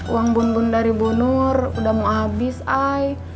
uang bun bun dari bu nur udah mau habis ai